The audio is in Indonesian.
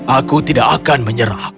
aku tidak akan menyerah